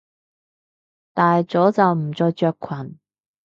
大咗就唔再着裙！